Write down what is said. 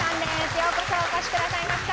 ようこそお越しくださいました。